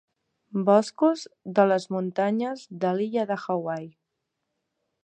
Boscos de les muntanyes de l'illa de Hawaii.